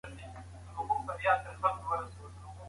هوښيار چوپتيا خوښوي